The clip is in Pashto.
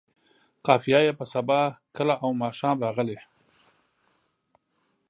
قافیه یې په سبا، کله او ماښام راغلې.